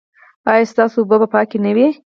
ایا ستاسو اوبه به پاکې نه وي؟